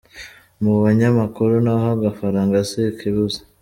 Mu banyamakuru naho agafaranga si ikibuze.